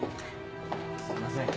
すいません。